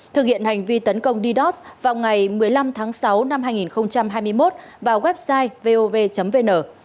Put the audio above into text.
thực hiện hành vi tấn công deos vào ngày một mươi năm tháng sáu năm hai nghìn hai mươi một vào website vov vn